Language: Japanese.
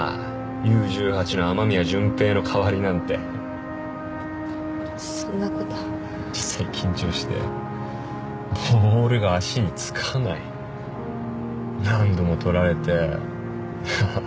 Ｕ−１８の雨宮純平の代わりなんてそんなこと実際緊張してボールが足につかない何度も取られてはははっ